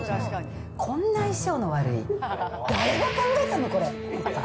こんな相性の悪い、誰が考えたの、これ。